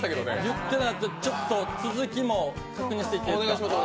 言ってた続きも確認していっていいですか。